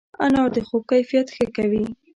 انار د خوب کیفیت ښه کوي.